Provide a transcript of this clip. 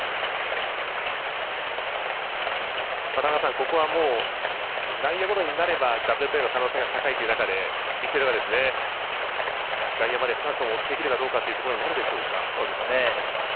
ここは、内野ゴロになればダブルプレーの可能性が高いという中でビシエドが外野まで少なくとも持っていけるというところになるでしょうか。